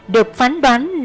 được phán đoán